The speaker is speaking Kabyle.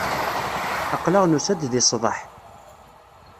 Aql-aɣ nusa-d di ṣṣḍeḥ.